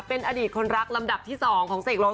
เป็นอดีตคนรักลำดับที่๒ของเสกโล